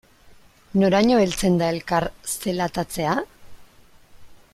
Noraino heltzen da elkar zelatatzea?